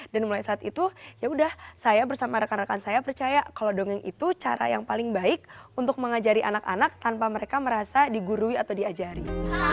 dan mulai saat itu ya udah saya bersama rekan rekan saya percaya kalau dongeng itu cara yang paling baik untuk mengajari anak anak tanpa mereka merasa digurui atau diajari